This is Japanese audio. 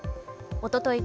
おととい